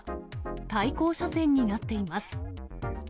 対向車線になっています。